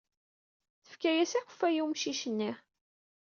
Tefka-as akeffay i umcic-nni.